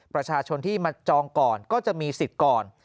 ประชาชนที่มาจองก่อนก็จะมีสิทธิ์ก่อน